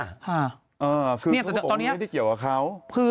อ่าคือพูดบอกว่าไม่ได้เกี่ยวกับเขา